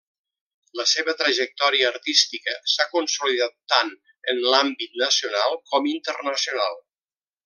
La seva trajectòria artística s'ha consolidat tant en l'àmbit nacional com internacional.